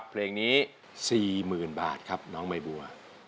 เพลงนี้๔๐๐๐บาทครับน้องใบบัว